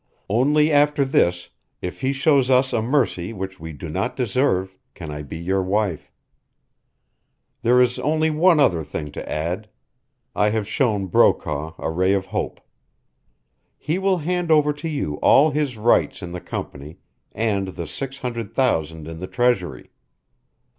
Only after this, if he shows us a mercy which we do not deserve, can I be your wife.' "There is only one other thing to add. I have shown Brokaw a ray of hope. He will hand over to you all his rights in the company and the six hundred thousand in the treasury.